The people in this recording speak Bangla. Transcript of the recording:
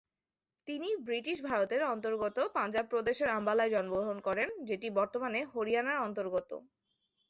তিনি ব্রিটিশ ভারতের অন্তর্গত পাঞ্জাব প্রদেশের আম্বালায় জন্মগ্রহণ করেন, যেটি বর্তমানে হরিয়ানার অন্তর্গত।